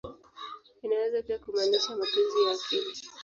Inaweza pia kumaanisha "mapenzi ya akili.